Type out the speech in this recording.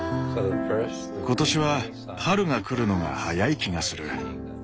今年は春が来るのが早い気がする。